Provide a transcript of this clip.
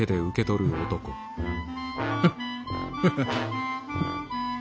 フッフハハ。